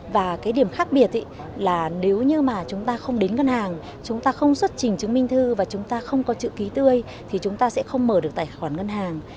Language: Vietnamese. và cái điểm khác biệt là nếu như mà chúng ta không đến ngân hàng chúng ta không xuất trình chứng minh thư và chúng ta không có chữ ký tươi thì chúng ta sẽ không mở được tài khoản ngân hàng